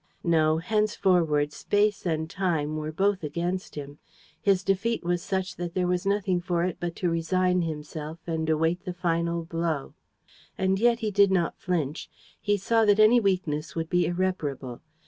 No, henceforward space and time were both against him. His defeat was such that there was nothing for it but to resign himself and await the final blow. And yet he did not flinch. He saw that any weakness would be irreparable.